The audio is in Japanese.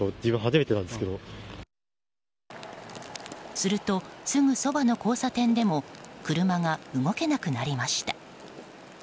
すると、すぐそばの交差点でも車が動けなくなりました。